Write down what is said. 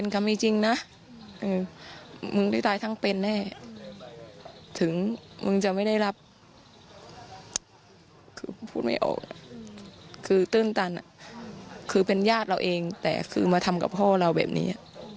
คือตื้นตันคือเป็นญาติเราเองแต่คือมาทำกับพ่อเราแบบนี้